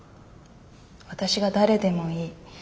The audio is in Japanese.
私が誰でもいい。